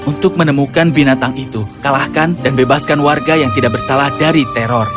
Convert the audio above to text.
untuk menemukan binatang itu kalahkan dan bebaskan warga yang tidak bersalah dari teror